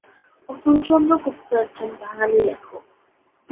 অতুলচন্দ্র গুপ্ত একজন বাঙালি লেখক।